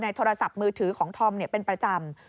โทรศัพท์มือถือของธอมเป็นประจำ